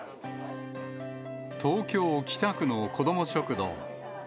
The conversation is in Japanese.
東京・北区の子ども食堂。